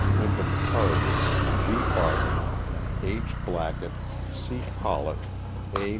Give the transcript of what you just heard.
Wyndham Carter, G. Barton, H. Blackett, C. Collett, A.